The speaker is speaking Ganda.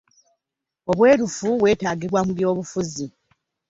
Obwerufu bwetaagibwa mu by'obufuzi.